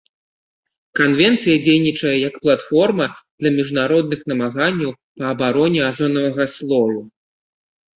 Канвенцыя дзейнічае як платформа для міжнародных намаганняў па абароне азонавага слою.